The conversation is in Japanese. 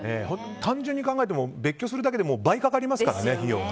単純に考えても別居するだけで費用が倍かかりますからね。